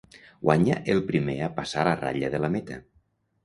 Guanya el primer a passar la ratlla de la meta.